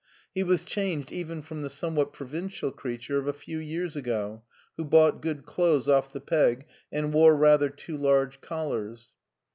He was changed even from the somewhat provincial creature of a few years ago, who bought good clothes off the peg and wore rather too large collars.